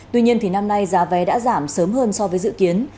tuy nhiên thì năm nay giá vé đã giảm sớm hơn so với dự kiến